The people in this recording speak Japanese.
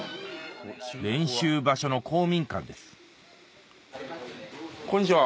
練習場所の公民館ですこんにちは。